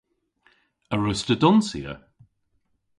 A wruss'ta donsya?